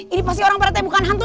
ini pasti orang pak rete bukan hantu